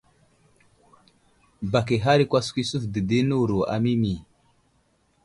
Bak ihar kwaskwa i suvde di newuro a Mimi.